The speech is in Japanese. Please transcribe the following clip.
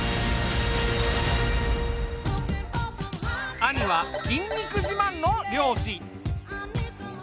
兄は筋肉自慢の漁師。